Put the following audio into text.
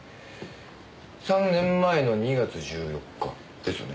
３年前の２月１４日ですよね？